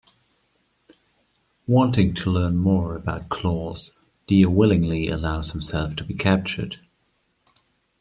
Wanting to learn more about Claus, Dio willingly allows himself to be captured.